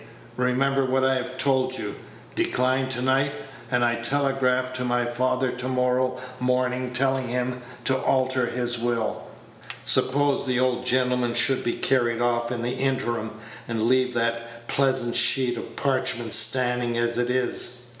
Remember what I have told you. Decline to night, and I telegraph to my father to morrow morning, telling him to alter his will." "Suppose the old gentleman should be carried off in the interim, and leave that pleasant sheet of parchment standing as it is.